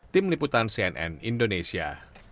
tim liputan cnn indonesia